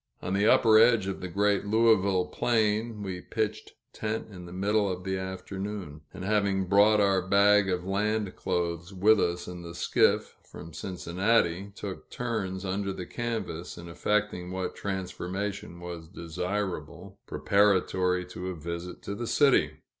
On the upper edge of the great Louisville plain, we pitched tent in the middle of the afternoon; and, having brought our bag of land clothes with us in the skiff, from Cincinnati, took turns under the canvas in effecting what transformation was desirable, preparatory to a visit in the city.